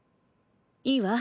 いいわ。